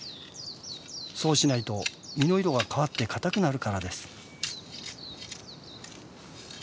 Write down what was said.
そうしないと実の色が変わって硬くなるからです。